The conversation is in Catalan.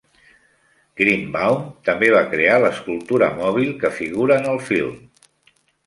Greenbaum també va crear l'escultura mòbil que figura en el film.